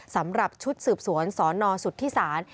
สำหรับชุดสืบสวนสนสุธิศาล